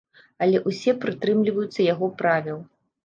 Але ўсе прытрымліваюцца яго правіл.